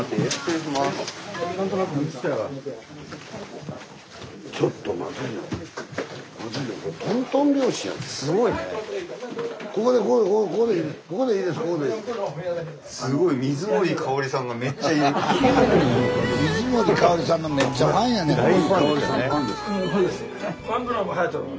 スタジオ水森かおりさんのめっちゃファンやねん